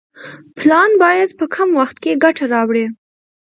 پلان باید په کم وخت کې ګټه راوړي.